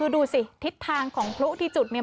ดูสิทิศทางของพลุที่จุดเนี่ย